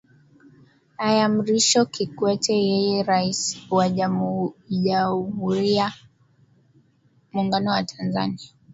aya mrisho kikwete yeye rais wa jamhurui ya muungano wa tanzania